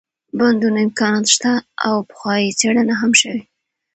بندونو امكانات شته او پخوا يې څېړنه هم شوې